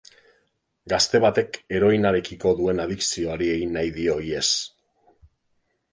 Gazte batek heroinarekiko duen adikzioari egin nahi dio ihes.